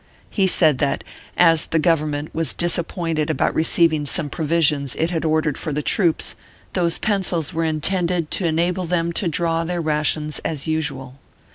He said that, as the Government was disap pointed about receiving some provisions it had ordered for the troops, those pencils were intended to enable them to draw their rations as usual.